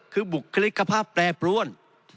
คือบุคลิกภาพแปรปรวน